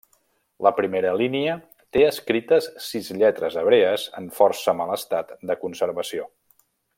La primera línia té escrites sis lletres hebrees en força mal estat de conservació.